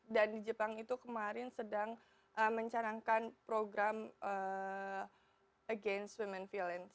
dan di jepang itu kemarin sedang mencadangkan program against women violence